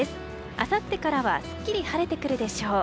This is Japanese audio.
あさってからはすっきり晴れてくるでしょう。